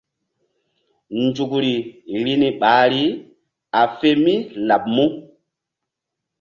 Nzukri vbi ni ɓahri a fe mí laɓ mu?